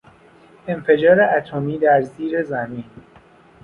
انفجار اتمی در زیر زمین